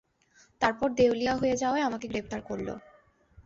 তারপর দেউলিয়া হয়ে যাওয়ায় আমাকে গ্রেপ্তার করল।